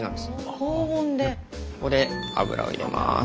ここで油を入れます。